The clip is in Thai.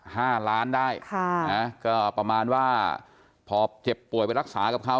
ห้าล้านได้ค่ะนะก็ประมาณว่าพอเจ็บป่วยไปรักษากับเขา